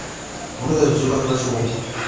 Uno de sus hijos fue su obispo.